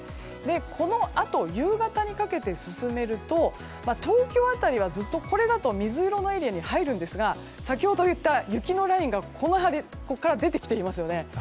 このあと、夕方にかけて進めると東京辺りはずっと水色のエリアに入るんですが先ほど言った雪のラインがここから出てきていますよね。